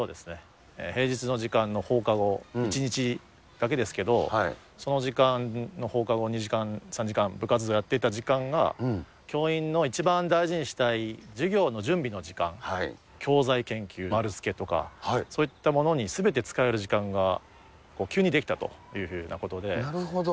平日の時間の放課後、１日だけですけど、その時間の放課後２時間、３時間、部活動やっていた時間が、教員の一番大事にしたい授業の準備の時間、教材研究、丸つけとか、そういったものにすべて使える時間が、急に出来たとなるほど。